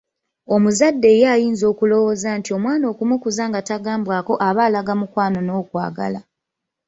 Omuzadde ye ayinza okulowooza nti omwana okumukuza nga tagambwako aba alaga mukwano n'okwagala.